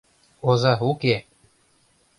— Оза уке!